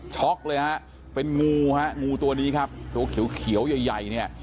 เลยฮะเป็นงูฮะงูตัวนี้ครับตัวเขียวใหญ่ใหญ่เนี่ย